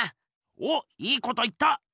おっいいこと言った！